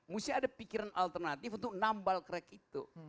mesti ada pikiran alternatif untuk nambal crack itu